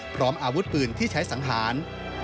พร้อมอาวุธปืนที่ใช้สังหาร